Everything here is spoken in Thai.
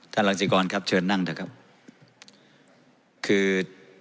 รังสิกรครับเชิญนั่งเถอะครับคือ